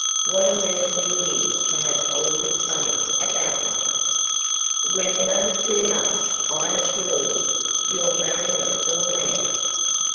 What a mercy it is to have all this money about one!" "We've none too much, I assure you; you're marrying a poor man.